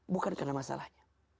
bukan karena masalahnya